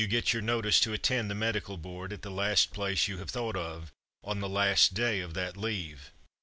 The Medical Board Mystery 9 get your notice to attend the Medical Board, at the last place you have thought of, on the last day of that leave.